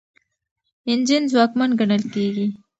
انجن ځواکمن ګڼل کیږي.